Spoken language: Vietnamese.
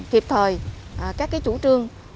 kịp thời các chủ trương